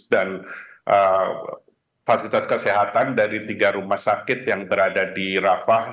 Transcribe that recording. dan fasilitas kesehatan dari tiga rumah sakit yang berada di rafah